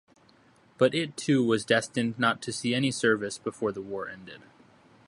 But it too was destined not to see any service before the war ended.